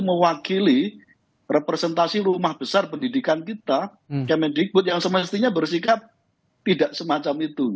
mewakili representasi rumah besar pendidikan kita kemendikbud yang semestinya bersikap tidak semacam itu